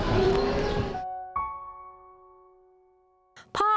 เกี่ยวได้ไหมครับ